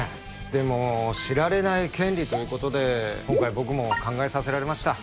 でも知られない権利ということで今回僕も考えさせられました